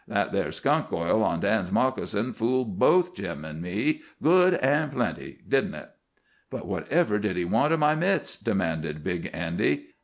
That there skunk oil on Dan's moccasins fooled both Jim an' me, good an' plenty, didn't it?" "But whatever did he want o' my mitts?" demanded Big Andy.